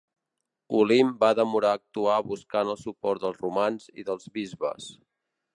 Olimp va demorar actuar buscant el suport dels romans i dels bisbes.